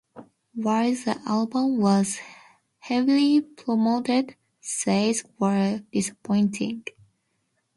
While the album was heavily promoted, sales were disappointing.